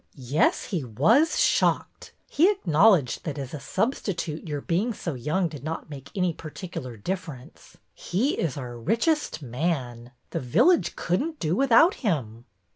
Yes, he was shocked. He acknowledged that as a substitute your being so young did not make any particular difference. He is our richest man. The village could n't do without him."